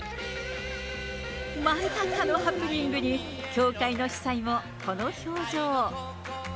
まさかのハプニングに、教会の司祭もこの表情。